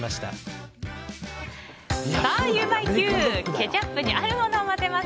ケチャップにあるものを混ぜます。